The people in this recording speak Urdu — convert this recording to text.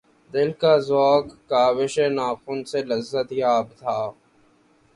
دل کہ ذوقِ کاوشِ ناخن سے لذت یاب تھا